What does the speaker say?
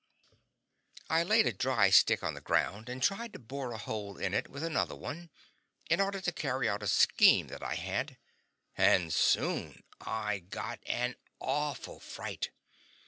I laid a dry stick on the ground and tried to bore a hole in it with another one, in order to carry out a scheme that I had, and soon I got an awful fright.